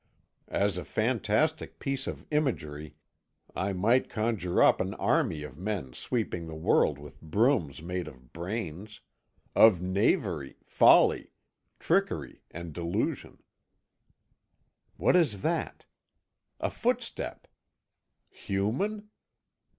As a fantastic piece of imagery I might conjure up an army of men sweeping the world with brooms made of brains of knavery, folly, trickery, and delusion. What is that? A footstep! Human?